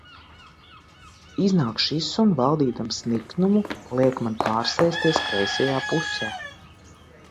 Iznāk šis un, valdīdams niknumu, liek man pārsēsties kreisajā pusē.